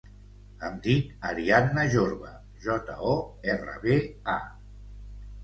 Em dic Ariadna Jorba: jota, o, erra, be, a.